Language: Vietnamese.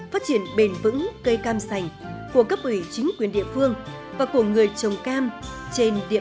phát triển bền vững cây cam sành của cấp ủy chính quyền địa phương và của người trồng cam trên địa